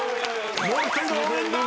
もう一人の応援団！